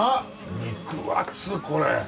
肉厚これ。